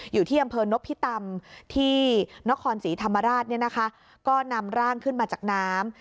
อยู่ที่อำเภอนกพิตำที่นครศรีธรรมราชนำร่างขึ้นมาจากน้ำ